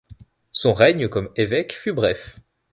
Son règne comme évêque fut bref.